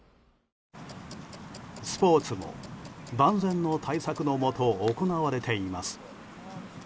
スポーツも万全の対策のもと行われています。